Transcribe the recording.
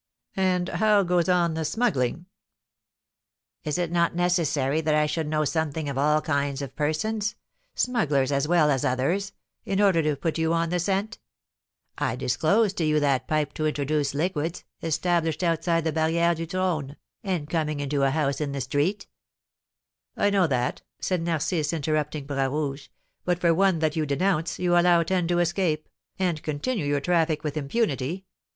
And how goes on the smuggling?" "Is it not necessary that I should know something of all kinds of persons smugglers as well as others in order to put you on the scent? I disclosed to you that pipe to introduce liquids, established outside the Barrière du Trône, and coming into a house in the street." "I know that," said Narcisse, interrupting Bras Rouge; "but for one that you denounce, you allow ten to escape, and continue your traffic with impunity.